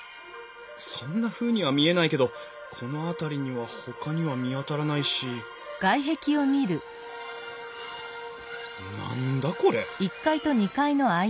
そんなふうには見えないけどこの辺りにはほかには見当たらないし何だこれ！？